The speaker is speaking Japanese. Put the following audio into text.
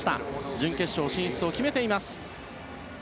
準決勝進出を決めています。